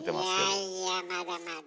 いやいやまだまだ。